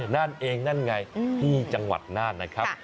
นั่นเองนั่นไงที่จังหวัดน่านนะครับ